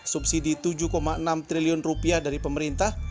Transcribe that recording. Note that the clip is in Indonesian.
subsidi rp tujuh enam triliun rupiah dari pemerintah